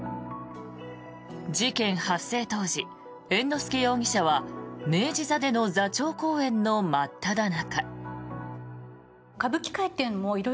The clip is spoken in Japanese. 事件発生当時、猿之助容疑者は明治座での座長公演の真っただ中。